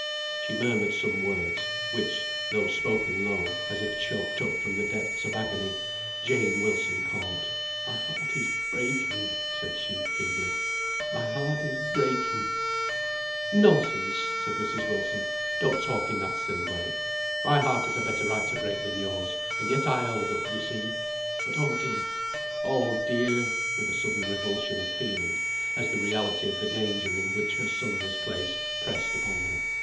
She murmured some words, which, though spoken low, as if choked up from the depths of agony, Jane Wilson caught. "My heart is breaking," said she, feebly. "My heart is breaking." "Nonsense!" said Mrs. Wilson. "Don't talk in that silly way. My heart has a better right to break than yours, and yet I hold up, you see. But, oh dear! oh dear!" with a sudden revulsion of feeling, as the reality of the danger in which her son was placed pressed upon her.